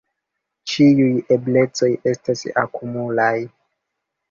Ĉiuj eblecoj estas akumulaj.